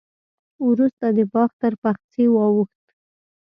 وروسته د باغ تر پخڅې واوښت.